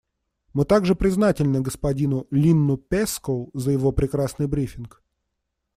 Мы также признательны господину Линну Пэскоу за его прекрасный брифинг.